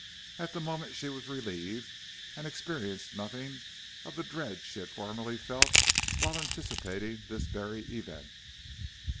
At the moment she was relieved, and experienced nothing of the dread she had formerly felt while anticipating this very event.